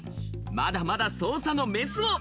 まだまだ捜査のメスを。